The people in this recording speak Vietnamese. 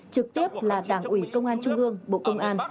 trực tiếp là đảng ủy công an trung gương bộ công an